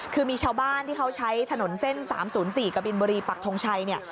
คือมีชาวบ้านที่เขาใช้ถนนเส้น๓๐๔กบินบุรีปักทงชัยเนี่ย